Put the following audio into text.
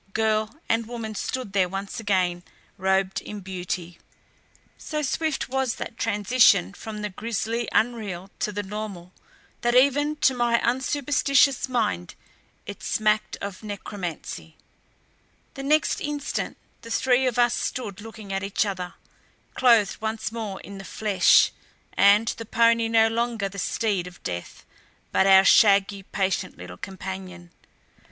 Girl and woman stood there once again robed in beauty. So swift was that transition from the grisly unreal to the normal that even to my unsuperstitious mind it smacked of necromancy. The next instant the three of us stood looking at each other, clothed once more in the flesh, and the pony no longer the steed of death, but our shaggy, patient little companion.